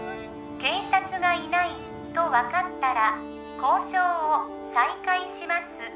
警察がいないと分かったら交渉を再開します